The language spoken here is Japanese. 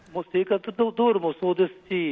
生活道路もそうですし